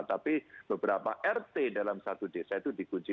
tapi beberapa rt dalam satu desa itu dikunci